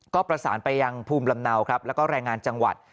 ก็ประสานไปยังภูมิลำเนาครับแล้วก็แรงงานจังหวัด